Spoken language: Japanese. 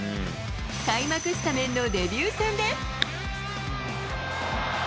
開幕スタメンのデビュー戦で。